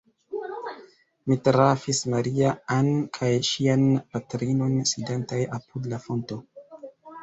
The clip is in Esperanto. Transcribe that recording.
Mi trafis Maria-Ann kaj ŝian patrinon sidantaj apud la fonto.